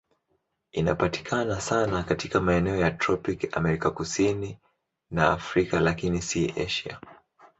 Inapatikana sana katika maeneo ya tropiki Amerika Kusini na Afrika, lakini si Asia.